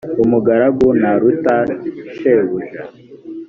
umugaragu ntaruta shebuja